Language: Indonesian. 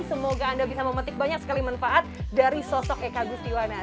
semoga anda bisa memetik banyak sekali manfaat dari sosok eka gustiwana